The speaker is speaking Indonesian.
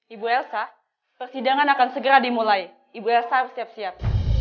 ibu elsa persidangan akan segera dimulai ibu elsa siap siap